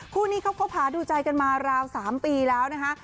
คู่นี้เขาคบหาดูใจกันมาราว๓ปีแล้วนะคะ